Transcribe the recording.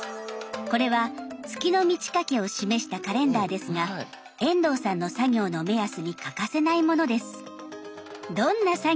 これは月の満ち欠けを示したカレンダーですが遠藤さんの作業の目安に欠かせないものです。